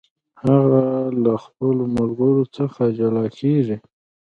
هغه له خپلو ملګرو څخه جلا کیږي.